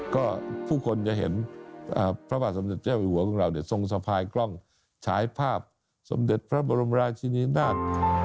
ก็ผู้คนจะเห็นพระบาทสมเด็จเจ้าอยู่หัวของเราทรงสะพายกล้องฉายภาพสมเด็จพระบรมราชินินาศ